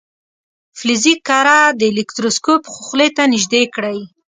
فلزي کره د الکتروسکوپ خولې ته نژدې کړئ.